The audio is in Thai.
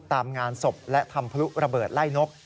ตามงานศพและทำพลุระเบิดไล่นก